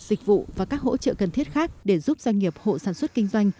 dịch vụ và các hỗ trợ cần thiết khác để giúp doanh nghiệp hộ sản xuất kinh doanh